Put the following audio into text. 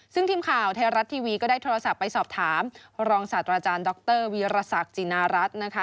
ซึ่งทีมข่าวไทยรัฐทีวีก็ได้โทรศัพท์ไปสอบถามรองศาสตราจารย์ดรวีรศักดิ์จินารัฐนะคะ